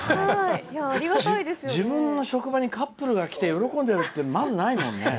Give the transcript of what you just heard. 自分の職場にカップルが来て喜んでるって、まずないよね。